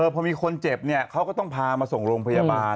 พอมีคนเจ็บเขาก็ต้องพามาส่งโรงพยาบาล